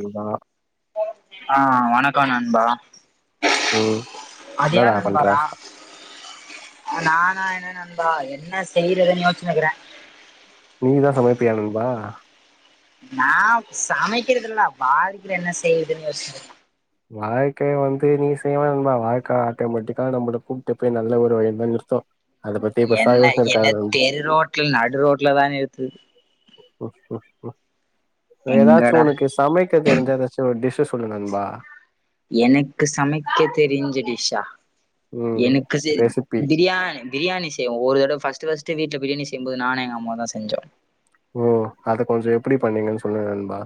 நண்பா அ வணக்கம் நண்பா ம் அது என்னடா யார் நண்பா பண்ற ரா நானா என்ன நண்பா என்ன செய்றதுன் யோசிச்னுக்குறேன் நீதா சமைப்பியா நண்பா நா சமைக்கறதில்ல வாழ்க்கைல என்ன செய்யதுன் யோசிச்சினுந்தன் வாழ்க்கையை வந்து நீ செய்வேணா நண்பா வாழ்க்கை ஆட்டமேட்டிக்கா நம்மள கூப்ட்டு போய் நல்ல ஒரு வழிதான் நிற்த்தும் அத பத்தி பெர்சா யோச்ன்னு இருக்காத கிள் நடுரோட்ல தான் நிறுத்துது ம் ம் ம் ஏதாச்சு எங்கடா ஒன்னு கெஸ் சமைக்க தெரிஞ்சா எதாச்சு ஒரு டிஷ்ஷா சொல்லு நண்பா எனக்கு சமைக்க தெரிஞ்ச டிஷ்ஷா ம் எனக்கு செரி ரெசிபி பிரியாணி பிரியணி செய்வோ ஒரு தடவ ஃபஸ்ட்டு ஃபஸ்ட்டு வீட்ல பிரியாணி செய்யும்போது நானு எங்க அம்மாவுந்தா செஞ்சோ ஓ அத கொஞ்சம் எப்டி பண்ணீங்கன் சொல்லுங்க நண்பா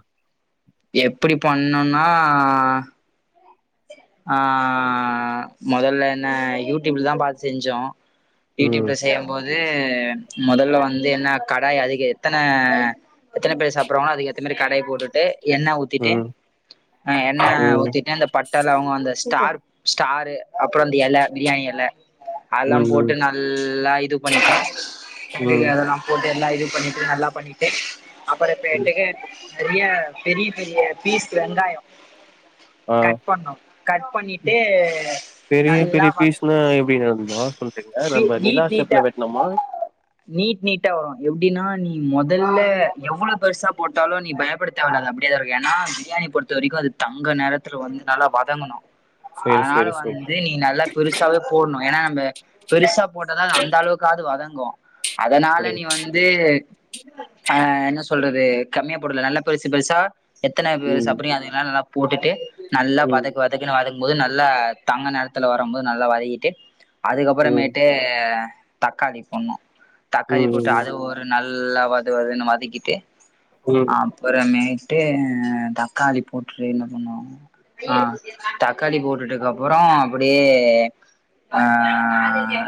எப்டி பண்ணொன்னா அ மொதல்ல என்ன யூடியூப்லதான் பாத் செஞ்சோ ம் யூடியூப்ல செய்யம் போது மொதல்ல வந்து என்ன கடாய அதிக எத்தன எத்தன பேர் சாப்புறாங்களோ அதுக்கேத்த மாரி கடாய் போட்டுட்டு எண்ணெ ஊத் திட்டு ம் எண்ணெ ம் ஊத்திட்ட அந்த பட் ட லவங்கோ அந்த ஸ்டார் ஸ்டாரு அப்றோ அந்த எல பிரியாணி எல அதலாம் ம் ம் போட்டு நல்லா இது பண்ணிட்டு கடைல ம் அதலா போட்டு எல்லா இது பண்ணிட்டு நல்லா பண்ணிட்டு அப்பற ம் பேட்டுக்கு நெறைய பெரிய பெரிய பீஸ் வெங்காயொ ஆ கட் பண்ணொ கட் பண்ணிட்டு பெரிய நல்லா பெரிய வத பீஸ்னா எப்டி நண்பா சொல்றீங்க நம்ப நிலா நீட் நீட்டா ஸ்டெப்ல வெட்னமா நீட் நீட்டா வரும் எப்டின்னா நீ மொதல்ல எவ்ளவு பெருசா போட்டாலும் நீ பயப்படத் தேவலாது அப்டியேதாருக்கும் ஏனா பிரியாணி பொறுத்த வரைக்கும் அது தங்க நெரத்துல வந்து நல்லா வதங்கணு சேரி அதனால சேரி சேரி வந்து நீ நல்லா பெருசாவே போட்ணு ஏனா நம்ப பெருசா போட்டாதா அந்தளவுக்காது வதங்கும் அதனால நீ அப்டிங்களா வந் து அ என்ன சொல்றது கம்மியா போடுல நல்லா பெருசு பெருசா எத்தன பேரு ம் சாப்புறீங் அதையெல்லா நல்லா போட்டுட்டு நல்லா ம் வதக் வதக்கின போது வதக் போது நல்லா தங்க நேரத்துல வரும் போது நல்லா வதக்கிட்டு ம் அதுக்கப்பறமேட்டு தக்காளி போடுனு தக்காளி ம் ம் போட்டு அது ஒரு நல்லா வதவதுன்னு வதக்கிட்டு ம் ஆ அப்பற மேட்டு தக்காளி போட்டு என்ன பண்ணுவாங்க ஆ தக்காளி போட்டுட்டுக்கு அப்றோ அப்டியே ஆ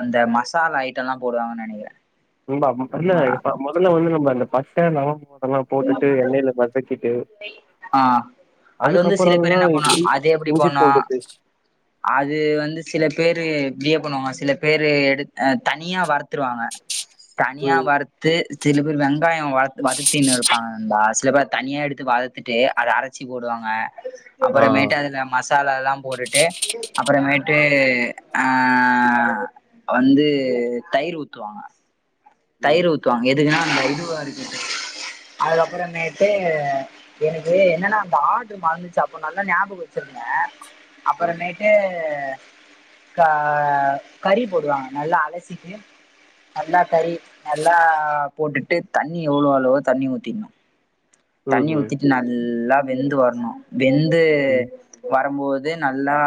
இந்த மசாலா ஐட்டம்ல்லா போடுவாங்கன்னு நெனைக்கிறே ண்பா இல்ல ஆ இ மொதல்ல வந்து நம்ப அந்த பட்ட லவங்கொ அதெல்லா போட்டுட்டு எண்ணெயில வதக்கிட்டு ஆ அது வந்து சில பேர் அதுக்கப்புறந்தா என்ன பண்ணு அது எப்டி இஞ்சி பண்ணு பூண்டு பேஸ்டு அது வந்து சில பேரு பிரியா பண்ணுவாங்க சில பேரு எடு்த் தனியா வர ருவாங்க தனியா ம் வறுத்து திரிப்பி வெங்காயோ வ வதத்தின்ன ந்தா சில பேர் தனியா எடுத்து வதர்த்துட்டு அத அரைச்சி போடுவாங்க ஆ அப்புறமேட்டு அதுல மசாலால்லா போட்டுட்டு அப்புறமேட்டு ஆ வந்து தயிர் ஊத்துவாங்க ம் தையிர் ஊத்துவாங்க எதுக்குனா அந்த இதுவா இருக்கு அதுக்கப்புறமேட்டு எனக்கு என்னன்னா அந்த ஆட்டு [unintelligible] சாப்படுணு நல்லா ஞாபக வெச்சிருந்தே ம் அப்புறம்மேட் க கறி போடுவாங்க நல்லா அலசிட்டு நல்லா கறி நல்லா போட்டுட்டு தண்ணி எவ்ளோ அளவோ தண்ணி ஊத்திக்ணு ம் தண்ணி ம் ஊத்திட்டு நல்லா வெந்து வர்ணு வெந்து ம் வரம்போது நல்லா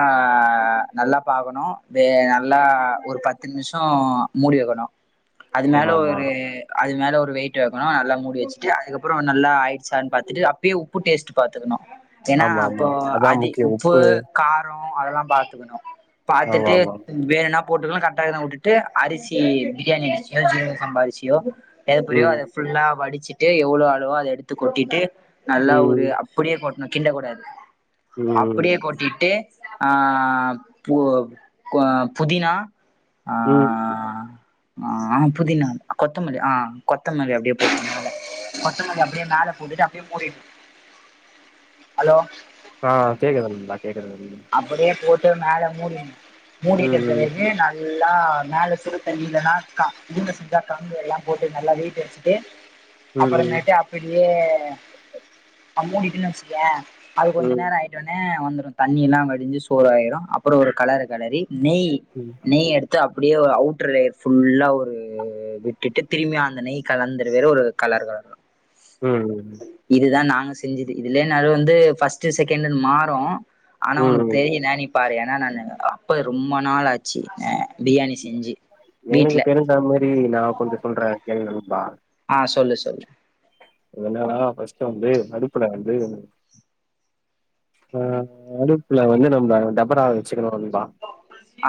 நல்லா பாக்கணு வே நல்லா ஒரு ப த்து நிமிஷோ மூடி வெக்கணு அது மேல ஆமாமா ஒரு அது மேல ஒரு வெயிட் வெக்கணு நல்லா மூடி வெச்சுட்டு அதுக்கப்றோ நல்லா ஆயி ச்சானு பாத்துட்டு அப்பயே உப்பு டேஸ்ட் பாத்துர்ணு ஏனா ஆமாமா அப்போ அதா அது முக்கியோ உப்பு காரோ அதெல்லா பாத்துக்ணு பாத்துட்டு ஆமாமா வேணுனா போட்டுக்கலா கரெக்டாருந்தா வுட்டுட்டு அரிசி பிரியாணி அரிசியோ ஜீரக சம்பா அரிசியோ எதப்படியோ ம் அத ஃபுல்லா வடிச்சுட்டு எவ்ளோ அள்வோ அத எடுத்து கொட்டிட்டு நல்லா ம் ஒரு அப்டியே கொட்டணு கிண்ட கூடாது ம் அப்டியே கொட்டிட்டு ஆபு புதினா ஆ ம் ஆ புதினா கொத்தமல்லி ஆ கொத்தமல்லி அப்டியே போட் அப்டே மேல போட்டுட்டு அப்டியே மூடினு ஹலோ ஆ கேக்குதுங் நல்லா கேக்குதுங் அப்டியே போட்டு மேல மூடிர்னு மூடிட்ட ம் பிறகு நா ஃபுல்லா மேல சுரு தண்ணியில்லனா கா ஊடுசா கம்பு எல்லா போட்டு நல்லா வெயிட்ட வெச்சுட்டு ம் அப்புறமேட்டு அப்டியே அம்மூடிட்டுன்னு வெச்சிக்கயேன் அது கொஞ்ச ம் நேர ஆயிட்டனே வந்துரு தண்ணி எல்லா வடிஞ்சு சோறாயிரு அப்பறோ ஒரு களறு களறி நெய் ம் நெய் எடுத் த்து அப்டியே ஒரு அவுட்டர் லேயர் ஃபுல்லா ஒரு விட்டுட்டு திரும்பி அந்த நெய் கலந்து வேற ஒரு கலர் வரணு ம் இதுதா நாங்க செஞ்சுது இதுலேனாலு வந்து பஸ்ட்டு செகண்ட்ன்னு மாறூ ஆனா ம் உனக் ம் தெரியுனா நீப்பாரு ஏனா நானு அப்ப ரொம்ப நாளாச்சு ஏ எனக் தெரிந்த மாரி நா கொஞ்ச சொல்றே கேளு நண்பா ஆ சொல்லு சொல்லு அது என்னனா பஸ்ட் வந்து அடுப்புல வந்து ஆ அடுப்புல வந்து நம்ம டபரா வெச்சுக்கணு நண்பா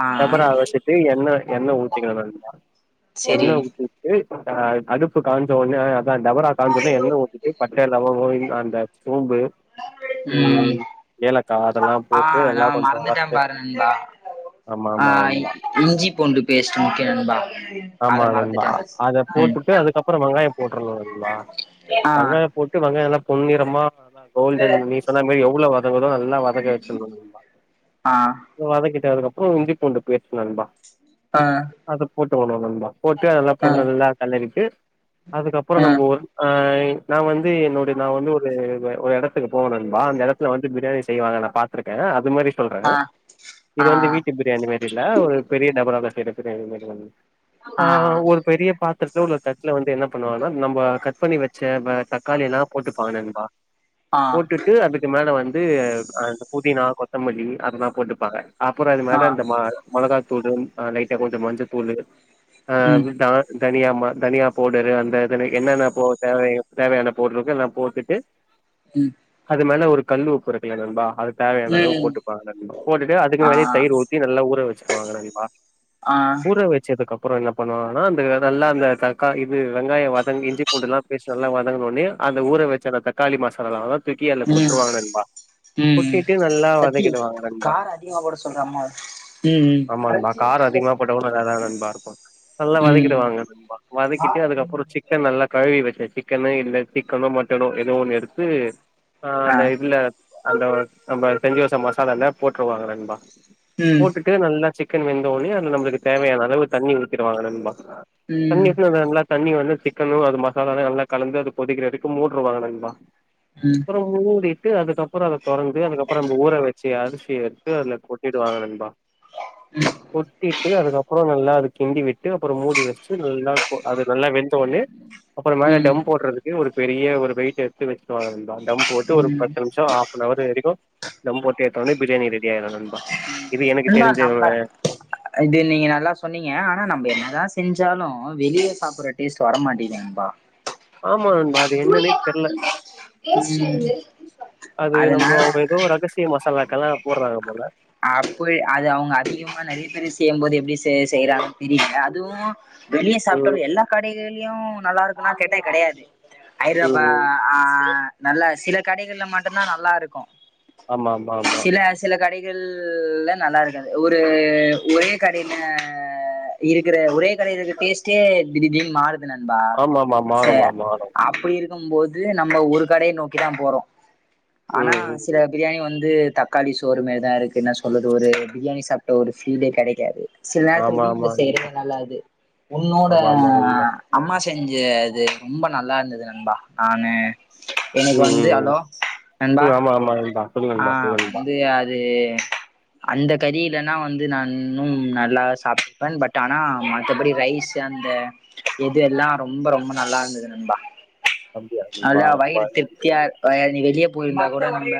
ஆ டபுரா வெச்சிட்டு எண்ணெய் எண்ணெ ஊத்திக்கணு நண்பா எண்ண செரி ஊத்தி ஹ அடுப்பு காஞ்ச உனே அதா டபரா காஞ்சோன எண்ண ஊத்திட்டு பட்ட லவங்கோ அந்த சோம்பு ம் ஏலக்கா அதெல்லா ஆ போட்டு நா நல்லா கொஞ்சம் மறந்துட்டே வறத்து பாரு நண்பா ஆமா ஆ ஆமா இஞ்சி பூண்டு பேஸ்ட்டு முக்கியம் நண்பா ஆமா அத அதுதா மறந்துட்டே அத ம் போட்டுட்டு அதுக்கப்பறம் வெங்காயம் போட்டுறணும் நண்பா ஆ வெங்காயம் போட் டு வெங்காயம் நல்லா பொன்னிரமா கோல்டன் நீ சொன்ன மேறி எவ்ளோ வதங்குதோ நல்லா வதக்க வச்சிறனும் நண்பா ஆ வதக்கிட்டு அதுக்கப்புறம் இஞ்சி பூண்டு பேஸ்ட்டு நண்பா ஆ அத போட்டுக்கணும் நண்பா போட்டு அதெல்லா ஆ ஆ கொஞ்ச நல்லா கெளறிட்டு அதுக்கப்பறம் ஆ நம்போ ஆ நா வந்து என்னோடு நா வந்து ஒரு ஒரு எடத்துக்கு போவ நண்பா அந்த எடத்துல வந்து பிரியாணி செய்வாங்க நா பாத்துருக்கே அது மாறி சொல்ற ஆ இது வந்து வீட்டு பிரியாணி மேறி இல்ல ஒரு பெரிய டபரால செய்ற பிரியாணி மாதிரி வந் ஆ ஒரு பெரிய பாத் திரத்திலயோ இல்ல தட்ல வந்து என்ன பண்ணுவாங்கன்னா நம்ப கட் பண்ணி வச்ச தக்காளி எல்லா போட்டுப்பாங்க நண்பா ஆ போட்டுட்டு அதுக்கு மேல வந்து அந்த புதினா கொத்தமல்லி அதுலா போட்டுப்பாங்க அப்புறம் அது ஆ மேல இந்த ம மொளகா தூளு ஆ லைட்டா கொஞ்சம் மஞ்சத்தூளு ஆ ம் அப்டிதா தனியா ம தனியா பவுடரு அந்த இதனை என்னன்னா போ தேவையோ தேவையான பொருளுக எல்லாம் போட்டுட்டு ம் அது மேல ஒரு கல்லு உப்பு இருக்கு இல்ல நண்பா அது தேவையான அளவு ம் போட்டுப்பாங்க நண்பா போட்டுட்டு அதுக்கு ஆ மேலயே தயிர் ஊத்தி நல்லா ஊற வச்சிக்குவாங்க நண்பா ஆ ச்சதுக்கு அப்புறம் என்ன பண்ணுவாங்கனா அந்த இதெல்லா அந்த தக்காளி இது வெங்காயம் வதங்கி இஞ்சி பூண்டுல்லா பேஸ்ட்டு எல்லா வதங்கன ஒடனே அந்த ஊர வச்ச அந்த தக்காளி மசாலாவா தூக்கி அதுல ம் கொட்டிருவாங்க நண்பா ம் கொட்டிட்டு நல்லா சத்தி வதக்கிடுவாங்க நண்பா காரோ அதிகமா போட சொல்ற அம்மாவ ம் ஆமா நண்பா காரம் அதிகமா போட்டாக்கூடா நல்லாதா நண்பா இருக்கும் நல் லா ம் ம் வதக்கிடுவாங்க நண்பா வதக்கிட்டு அதுக்கப்புறம் சிக்கன் நல்லா கழுவி வச்ச சிக்கனு இல்ல சிக்கனோ மட்டனோ எதோ ஒன்னு எடுத்து ஆ அந்த இதுல அந்த நம்ப செஞ்சிவச்ச மசாலல்ல போட்ருவாங்க நண்பா ம் போட்டுட்டு நல்லா சிக்கன் வெந்த ஒன்னே அதுல நம்பளுக்கு தேவையான அளவு தண்ணி ஊத்திருவாங்க நண்பா ம் தண்ணி எப்பயும் கொஞ்ச நல்லா தண்ணி வந்து சிக்கனும் அது மசாலால்ல நல்லா கலந்து அது கொதிக்கிற வரைக்கும் மூடுருவாங்கா நண்பா ம் அப்புறம் மூடிட்டு அதுக்கப்புறம் அத தொறந்து அதுக்கப்புறம் நம்ப ஊற வச்சிய அரிசிய எடுத்து அதுல கொட்டிடுவாங்க நண்பா கொட்டிட்டு அதுக்கப்புறம் நல்லா அது கிண்டி விட்டு அப்புறம் மூடி வச்சிட்டு நல்லா அது நல்லா வெந்த ஒன்னே அப்புறம் மேல ம் டம் போடறது கு ஒரு பெரிய ஒரு வெயிட் எடுத்து வச்சிடுவாங்க நண்பா டம் போட்டு ஒரு ம் பத்து நிமிஷம் ஆஃப் னவர் வரைக்கும் தம் போட்டு எத்த ஒன்னே பிரியாணி ரெடி ஆயிரும் நண்பா இது எனக்கு நண்பா தெரிஞ்ச நம்ப இதுல நீங்க நல்லா சொன்னீங்க ஆனா நம்ப என்னதா செஞ்சாலும் வெளிய சாப்பற டேஸ்ட் வர மாட்டிங்கிது நண்பா ஆமா நண்பா அது என்னான்னே தெர்ல அது நம்போ அதனால அவுங்க எதோ ரகசிய மசாலாக்கல்லா போடறாங்க போல அப்போயி அது அவங்க அதிகமா நெறைய பேருக்கு செய்யும்போது எப்டி செ செய்யறாங்கனு தெரியலல அதுவும் வெளியே ம் சாப்ட்டாது எல்லா கடைகள்லயு நல்லா இருக்குமான்னு கேட்டா கெடையாது ம் ஹைத்ரபா ம் ஆ நல்ல சில கடைகள்ல மட்டுந்தா நல்லா இருக்கு ஆமா ஆமா ஆமா சில சில கடைகள்ல நல்லா இருக்காது ஒரு ஒரே கடையில இருக்கிற ஒரே கடையில இருக்க டேஸ்ட்டே திடீதிடீர்னு மாறுது நண்பா ஆமா ஆமா ஆமா செ மாறுமா மாறு அப்புடி இருக் கும் போது நம்ம ஒரு கடைய நோக்கி தா போறோ ஆனா ம் ம் சில பிரியாணி வந்து தக்காளி சோறு மாரி தா இருக்கு ன்னா சொல்லது ஒரு பிரியாணி சாப்பிட்ட ஒரு ஃபீலே கெடைக்காது சில நேரத்துல ஆமா வீட்டுல ஆமா நண்பா செய்யறது நல்லாக்கிது உன்னோட ஆமா ஆமா நண்பா அம்மா செஞ்ச இது ரொம்ப நல்லா இருந்தது நண்பா நானு எனக்கு வந்து ஹலோ நண்பா பாமாயில்தா சொல்லு ஆ வந்து அது அந்த கறி இல்லன்னா வந்து நான் இன்னும் நல்லா சாப்பிட்டுப்பன் பட் ஆனா மத்தபடி ரைஸ் அந்த எது எல்லா ரொம்ப ரொம்ப நல்லா இருந்தது நண்பா அப்டியா நண்பா அதா ரொம்ப வயிறு திருப்தியா ப நீ வெளியே போயிருந்தா கூட நம்ம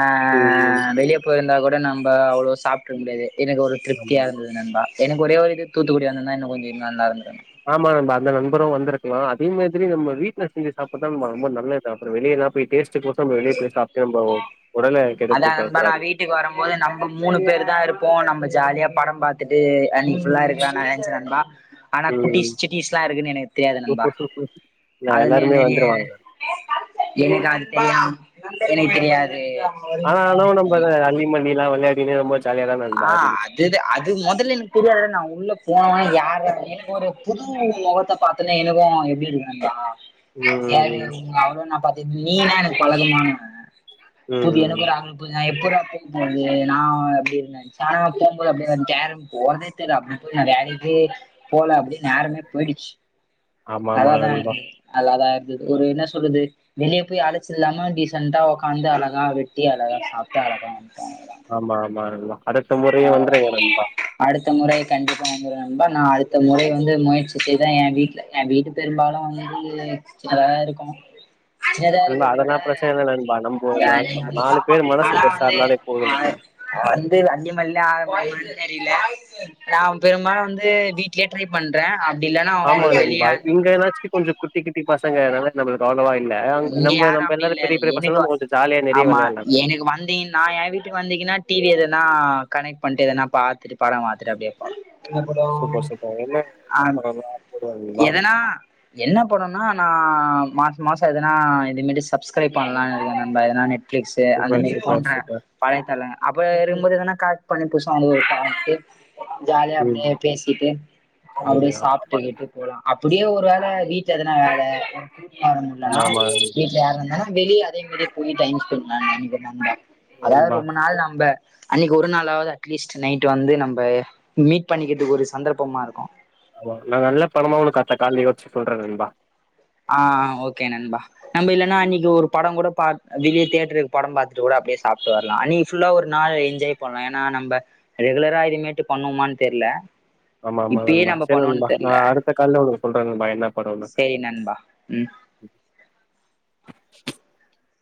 ஆ ம் வெளியே போயிருந்தா கூட நம்ம அவ்ளோ சாப்ட்ருக்க முடியாது எனக்கு ஒரு ஆமா திருப்தியா ஆமா இருந்தது நண்பா எனக்கு ஒரே ஒரு இது தூத்துக்குடி வந்துந்தா எனக்கு கொஞ்சோ நல்லா இருந்து ஆமா நண்பா அந்த நண்பரு வந்திருக்கலா அதே மாதிரி நம்ம வீட்டில செஞ்சு சாப்ட்டதா நம்ம ரொம்ப நல்லது சாப்பற வெளியே எல்லா போயிட்டு டேஸ்ட்டுக் கொசறோ நம் வெளிய போய் சாப்ட்டு நம்போ உடல கெடுத்துக்க கூடாது போது நம்ப மூணு பேர் தா இருப்போ நம்ப ஜாலியா படோ பாத்துட்டு அன்னைக்கி புல்லா இருக்கலா நா நெனச்சே நண்பா ஆனா ம் குட்டிஸ் சிட்டிஸ்லா இருக்குன்னு எனக்கு தெரியாது நண்பா இல்ல அதுலயு எல்லாருமே நெறைய வந்துருவாங்க எனுக்கு அது தெரியா எனுக்கு தெரியாது ஆனா எனோ நம்ப அல்லிமல்லில்லா விளையாடினு ரொம்ப ஜாலியாதா ஆ நண்பா அ இருந்துச்சு தெராது அது மொதல்ல எனக்கு தெரியாது நா உள்ள போனவொனே யார்ராது எனக்கு ஒரு புது மொகத்த பாத்தொன்னே எனக்கு எப்டி இருக்கு நண்பா ம் யாரு ம் உங்க அவ்ளோவா நா பாத்ததி நீனா எனக்கு பழக்கமானவ புதிய ம் எனக்கு ஒரு அன் புற்ரா நா எப்புற்றா கூப்பறது நா அப்டு இருந்தே ச்சாண போம்போது அப்டியெல்ல எது [unintelligible] போறதே தெரிய அப்டி [unintelligible] வேலைக்கே போல அப்டியே நேரமே போயிடுச்சு ஆமா ஆமா அதனால்தா நண்பா அன்னைக்கி நல்லாதா இருந்தது ஒரு என்ன சொல்றது வெளியே போய் அழைச்சல் இல்லாம டீசெண்ட்டா வொக்காந்து அழகா வெட்டி அழகா சாப்ட்டு அழகா வன்ட்டோ அவளோதா ஆமா ஆமா அதா அடுத்த முறையு வந்துருங்க நண்பா அடுத்த முறை கண்டிப்பா வந்துர்ர நண்பா நா அடுத்த முறை வந்து முயற்சி செய்த தா எ வீட்டுல எ வீட்டு பெரும்பாலு வந்து சின்னதாதா இருக்கு சின்னதா நண்பா இருக்கதற்த விட அதெல்லா பிரச்சன இல்ல நண்பா நம்ப நா அத நம்ம நீ நாலு பேர் மனசு ஆனா பெருசா வந்து இருந்தாலே போது ஆ நண்பா வந்து ஐஞ்சு அந்திமல்லிலா வந்து ஆடமுடிமா தெரியல நா பெரும்பாலு வந்து வீட்லே ட்ரை பண்றே அப்டி இல்லன்னா அவங்களுக்கு வெளியே இங்க என்னாச்சு கொஞ்ச குட்டி குட்டி பசங்கனால நம்ம அவ்ளோவா இல்ல இங்க நம்ம யாரு நம்ம அப்டி எல்லாரு பெரிய இல்லல்ல பெரிய பசங்கல நம கொஞ்ச ஜாலிய நெறைய விளையடலா னுக்கு வந்தின் நா ய வீட்டு வந்தீங்கன்னா டி வி எதனா கனெக்ட் பண்ட்டு எதனா பாத்துட்டு படம் வாத்துட்டு அப்டியேப் போவ சூப்பர் சூப்பர் என்ன என்ன அம் படம்லா போடுவாங்களா என்னனா என்ன பண்ணோனா நா மாச மாசோ எதுனா இதுமட்டி சப்ஸ்கிரைப் பண்ணலாம் இருக்கேன் நம்ப எதனா நெ கிட்ஸ்சு அந்த சூப்பர் மாரி சூப்பர் போன சூப்பர் பழையத்தல அப்பர எறும்பு எதனா கட் பண்ணி புதுசா [unintelligible] ஜாலியா அப்டியே ம் பேசிட்டு சரி அப்டியே ஆமா ஆமா சாப்ட்டுக்கிட்டு போலா அப்புடியே ஒரு வேல வீட்ல எதனா வேல ஒரு போட முல்ல ஆமா ஆமா ஆபீஸ் வீ ட்ல யார் வந்தாளு வெளில அதே மாரி போய் டைம் ஸ்பென்ட்னா [unintelligible] அதாது நண்பா ரொம்ப நாள் நம்ப அன்னைக்கு ஒரு நாளாது அட்லீஸ்ட் நைட் வந்து நம்ப மீட் பண்ணிக்கிட்டுக்கு ஒரு சந்தர்ப்பமாருக்கும் நா நல்ல பணமா ஒனக்கு காத்த கால்ல யோசிச்சு சொல்ற நண்பா ஆ ஓகே நண்பா நம்ப இல்லன்னா அன்னைக்கு ஒரு படோம் குட பா வெளிய தேட்ருக்கு படம் பாத்துட்டு கூட அப்டியே சாப்ட்டு வர்லா அனி ஃபுல்லா ஒரு நாள் என்ஜாய் பண்லா ஏன்னா நம்ப ரெகுலரா இதுமேட்டு பண்ணோமான் தெர்ல ஆமா ஆமா நண்பா சர் நண்பா நா அடுத்த கால்ல ஒனக்கு சொல்ற நண்பா என்ன படன்னு கே நண்பா உம்